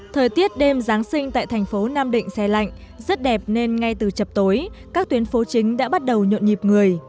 thời tiết đêm giáng sinh tại thành phố nam định xe lạnh rất đẹp nên ngay từ chập tối các tuyến phố chính đã bắt đầu nhộn nhịp người